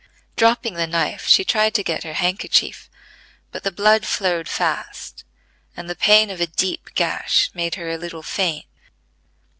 Dropping the knife, she tried to get her handkerchief, but the blood flowed fast, and the pain of a deep gash made her a little faint.